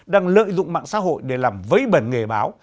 đang lợi dụng mạng xã hội để làm vấy bẩn nghề báo